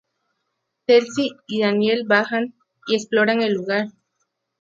Teal'c y Daniel bajan, y exploran el lugar.